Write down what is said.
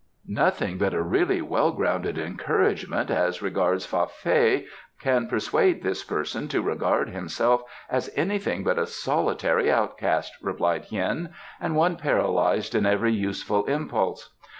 "Nothing but a really well grounded encouragement as regards Fa Fei can persuade this person to regard himself as anything but a solitary outcast," replied Hien, "and one paralysed in every useful impulse.